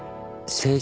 政治？